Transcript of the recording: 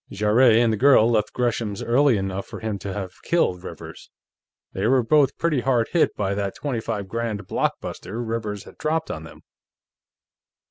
Jarrett and the girl left Gresham's early enough for him to have killed Rivers; they were both pretty hard hit by that twenty five grand blockbuster Rivers had dropped on them....